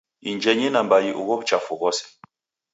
Injenyi na mbai ugho w'uchafu ghose.